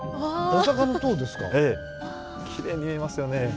きれいに見えますよね。